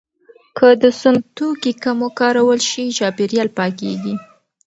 که د سون توکي کم وکارول شي، چاپیریال پاکېږي.